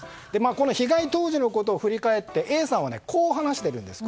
この被害当時のことを振り返ってＡさんはこう話しているんです。